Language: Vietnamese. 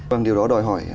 vâng điều đó đòi hỏi